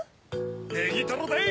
ネギトロでい！